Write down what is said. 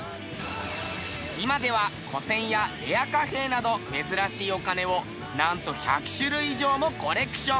今では古銭やレア貨幣など珍しいお金をなんと１００種類以上もコレクション。